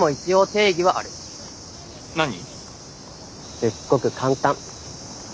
すっごく簡単。